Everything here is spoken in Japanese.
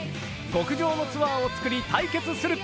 極上のツアーを作り対決する。